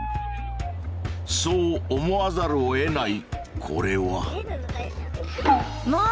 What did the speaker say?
そう思わざるをえないこれは。